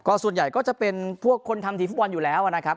ส่วนใหญ่ก็จะเป็นพวกคนทำทีมฟุตบอลอยู่แล้วนะครับ